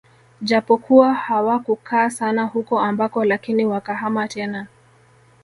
Japokuwa hawakukaa sana huko ambako lakini wakahama tena